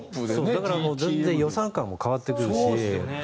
だからもう全然予算感も変わってくるし。